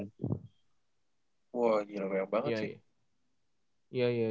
wah gila banyak banget sih